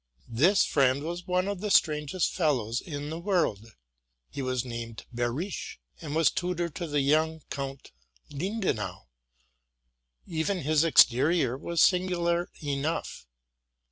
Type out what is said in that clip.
This friend was one of the strangest fellows in the world. He was named Behrisch, and was tutor to the young Count Lindenau. even his exterior was singular enough.